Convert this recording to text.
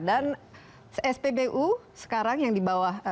dan spbu sekarang yang di bawah